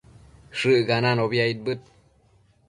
Shëccananobi aidbëd